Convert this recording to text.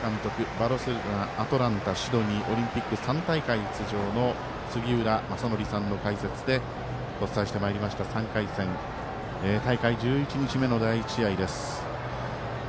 バルセロナ、アトランタシドニーオリンピック３大会出場の杉浦正則さんの解説でお伝えしてまいりました、３回戦大会１１日目の第１試合です。